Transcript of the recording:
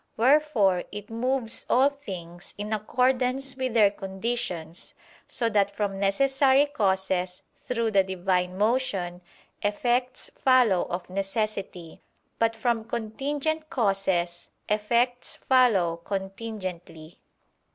Wherefore it moves all things in accordance with their conditions; so that from necessary causes through the Divine motion, effects follow of necessity; but from contingent causes, effects follow contingently.